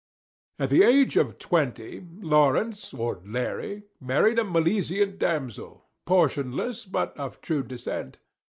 At the age of twenty, Lawrence, or Larry, married a Milesian damsel, portionless, but of true descent.